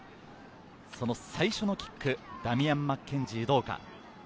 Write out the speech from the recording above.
最初のキック、ダミアン・マッケンジー、どうか？